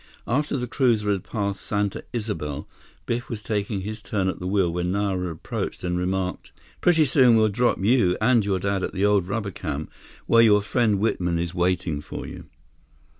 After the cruiser had passed Santa Isabel, Biff was taking his turn at the wheel when Nara approached and remarked: "Pretty soon we'll drop you and your dad at the old rubber camp where your friend Whitman is waiting for you."